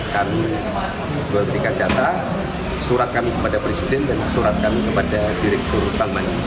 kami berikan data surat kami kepada presiden dan surat kami kepada direktur bank mandiri